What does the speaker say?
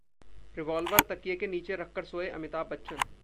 revolver तकिए के नीचे रखकर सोए अमिताभ बच्चन